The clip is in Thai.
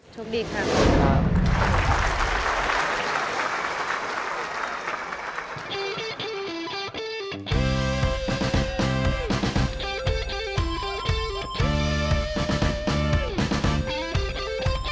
โชคดีครับขอบคุณครับ